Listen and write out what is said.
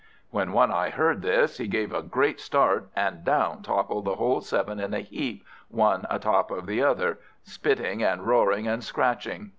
When One eye heard this, he gave a great start, and down toppled the whole seven in a heap, one a top of the next, spitting and roaring and scratching.